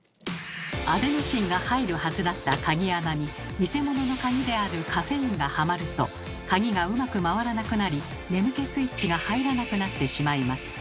アデノシンが入るはずだった鍵穴に偽物の鍵であるカフェインがはまると鍵がうまく回らなくなり眠気スイッチが入らなくなってしまいます。